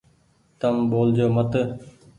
تم ٻول جو مت ۔